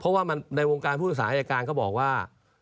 เพราะว่ามันในวงการผู้นำสาหรรยาการก็บอกว่า